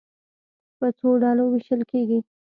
په څو ډلو وېشل کېږي.